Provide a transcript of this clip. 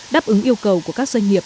đáp ứng yêu cầu của các doanh nghiệp